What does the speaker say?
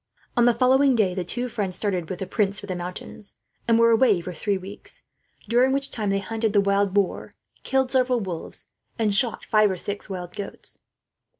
On the following day, the two friends started with the prince for the mountains; and were away for three weeks, during which time they hunted the wild boar, killed several wolves, and shot five or six wild goats.